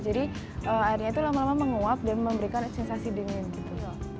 jadi airnya itu lama lama menguap dan memberikan sensasi dingin gitu